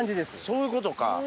そういうことか。